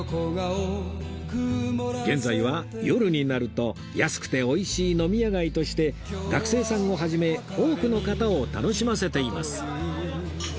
現在は夜になると安くて美味しい飲み屋街として学生さんを始め多くの方を楽しませています